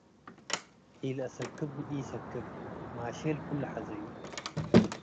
ኢለአሰክብ ወኢሰክብ - ማሼል ክሉ ሐዘዩ